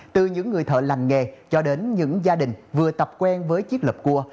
từ những người thợ lành nghề cho đến những gia đình vừa tập quen với chiếc lập cua